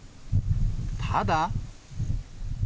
ただ。